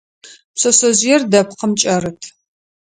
Пшъэшъэжъыер дэпкъым кӀэрыт.